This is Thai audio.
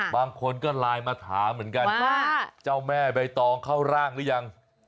บางคนก็ไลน์มาถามเหมือนกันว่าเจ้าแม่ใบตองเข้าร่างหรือยัง